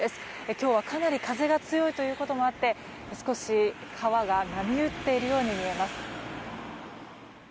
今日はかなり風が強いということもあって少し、川が波打っているように見えます。